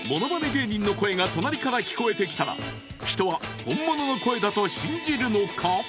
芸人の声が隣から聞こえてきたら人は本物の声だと信じるのか？